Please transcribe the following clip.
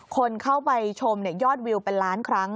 คนเข้าไปชมยอดวิวเป็นล้านครั้ง